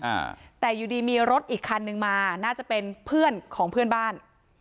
อ่าแต่อยู่ดีมีรถอีกคันนึงมาน่าจะเป็นเพื่อนของเพื่อนบ้าน